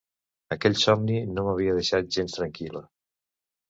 Aquell somni no m'havia deixat gens tranquil·la.